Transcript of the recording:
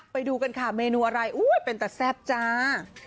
ไปดูกันค่ะเมนูอะไรอุ้ยเป็นแต่แซ่บจ้า